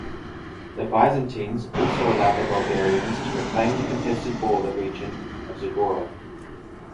The Byzantines also allowed the Bulgarians to reclaim the contested border region of Zagora.